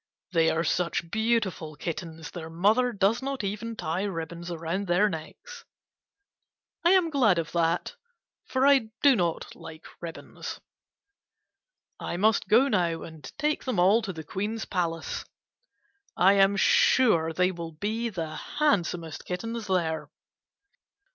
They are such beautiful kittens their mother does not even tie ribbons around their necks. I am glad of that, for I do not like ribbons. I must go now and take them all to the Queen's palace. I am sure they will be the handsomest kittens there.